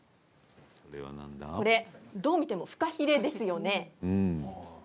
これどう見てもフカヒレですよね？